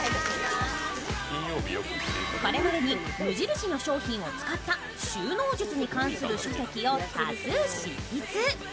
これまでに無印の商品を使った収納術の書籍を多数執筆。